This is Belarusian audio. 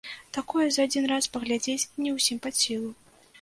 Такое за адзін раз паглядзець не ўсім пад сілу.